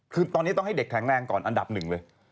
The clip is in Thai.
คือตอนนี้ต้องให้เด็กแข็งแรงก่อนอันดับหนึ่งเลย